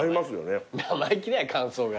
生意気だよ感想が。